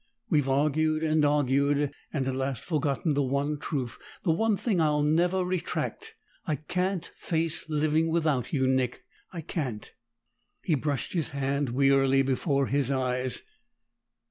We've argued and argued, and at last forgotten the one truth, the one thing I'll never retract: I can't face living without you, Nick! I can't!" He brushed his hand wearily before his eyes.